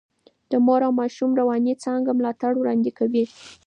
د مور او ماشوم رواني څانګه ملاتړ وړاندې کوي.